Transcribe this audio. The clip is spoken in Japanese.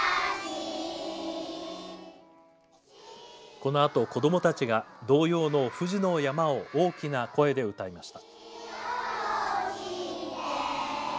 このあと、子どもたちが童謡のふじの山を大きな声で歌いました。